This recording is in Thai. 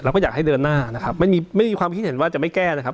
ก็อยากให้เดินหน้านะครับไม่มีไม่มีความคิดเห็นว่าจะไม่แก้นะครับ